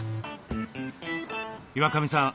岩上さん